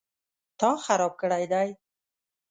_تا خراب کړی دی؟